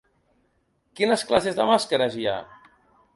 Quines classes de màscares hi ha?